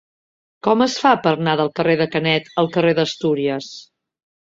Com es fa per anar del carrer de Canet al carrer d'Astúries?